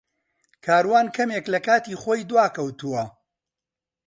کاروان کەمێک لە کاتی خۆی دواکەوتووە.